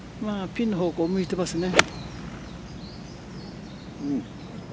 ピンの方向に向いていますね。